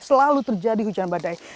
selalu terjadi hujan badai